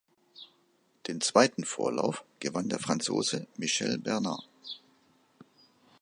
Den zweiten Vorlauf gewann der Franzose Michel Bernard.